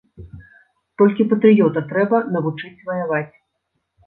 Толькі патрыёта трэба навучыць ваяваць.